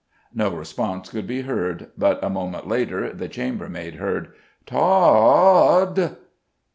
No response could be heard; but a moment later the chambermaid heard: "T o o od!"